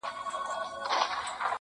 • تر تا څو چنده ستا د زني عالمگير ښه دی.